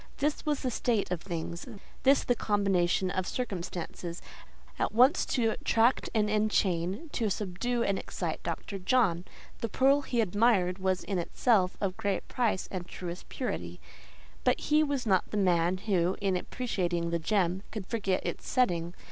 This was the state of things, this the combination of circumstances, at once to attract and enchain, to subdue and excite Dr. John. The pearl he admired was in itself of great price and truest purity, but he was not the man who, in appreciating the gem, could forget its setting.